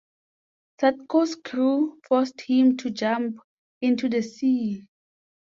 Sadko's crew forced him to jump into the sea.